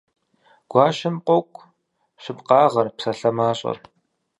Гуащэм къокӀу щыпкъагъэр, псалъэ мащӀэр.